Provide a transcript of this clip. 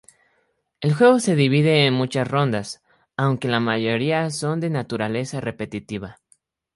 El juego se divide en muchas rondas, aunque la mayoría son de naturaleza repetitiva.